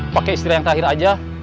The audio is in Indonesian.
pakai istilah yang terakhir aja